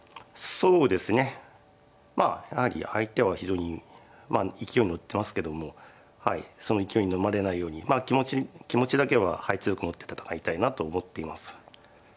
そうですねまあやはり相手は非常にまあ勢いに乗ってますけどもはいその勢いにのまれないようにまあ気持ち気持ちだけははい強く持って戦いたいなと思っています。